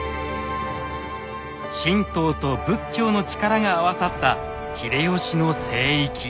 神道と仏教の力が合わさった秀吉の聖域。